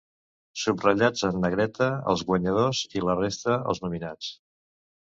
Subratllats en negreta els guanyadors i la resta els nominats.